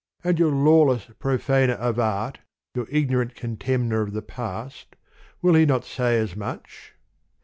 " And your lawless profaner of art, your ignorant con temner of the past : will not he say as much